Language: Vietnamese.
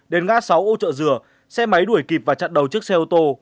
đến ngã sáu âu trợ dừa xe máy đuổi kịp và chặn đầu trước xe ô tô